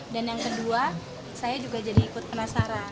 dan yang kedua saya juga jadi ikut penasaran